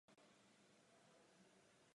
Na území žijí běžné druhy lesních živočichů.